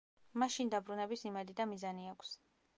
მას შინ დაბრუნების იმედი და მიზანი აქვს.